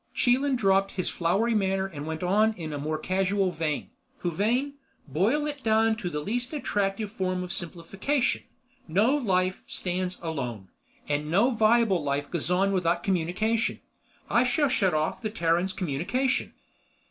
Chelan dropped his flowery manner and went on in a more casual vein: "Huvane, boil it down to the least attractive form of simplification, no life stands alone. And no viable life goes on without communication, I shall shut off the Terran's communication."